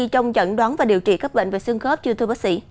trong chẩn đoán và điều trị các bệnh về xương khớp chưa thưa bác sĩ